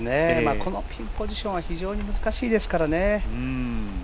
このピンポジションは非常に難しいですからね。